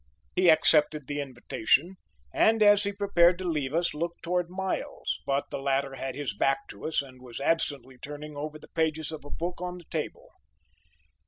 He accepted the invitation, and as he prepared to leave us looked towards Miles, but the latter had his back to us, and was absently turning over the pages of a book on the table.